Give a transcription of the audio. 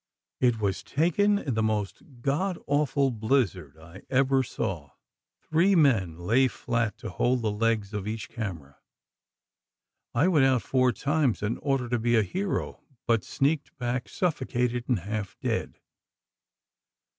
It was taken in the most God awful blizzard I ever saw. Three men lay flat to hold the legs of each camera. I went out four times, in order to be a hero, but sneaked back suffocated and half dead.